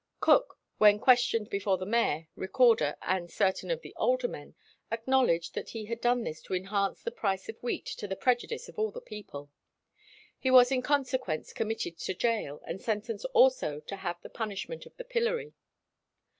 Cokke, when questioned before the mayor, recorder, and certain of the aldermen, acknowledged that he had done this to enhance the price of wheat to the prejudice of all the people. He was in consequence committed to gaol, and sentenced also to have the punishment of the pillory.